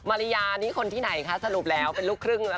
ริยานี่คนที่ไหนคะสรุปแล้วเป็นลูกครึ่งแล้ว